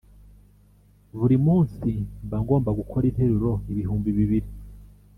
buri munsi mba ngomba gukora interuro ibihumbi bibiri